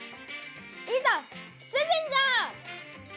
いざ出陣じゃ！